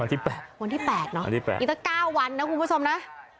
วันที่๘วันที่๘เนาะอีกตั้ง๙วันนะคุณผู้ผู้ชมนะ